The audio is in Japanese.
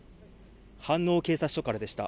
飯能警察署からでした。